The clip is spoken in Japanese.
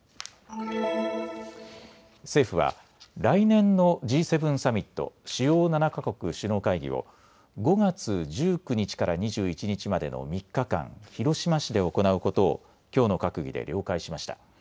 政府は来年のＧ７サミット・主要７か国首脳会議を５月１９日から２１日までの３日間、広島市で行うことをきょうの閣議で了解しました。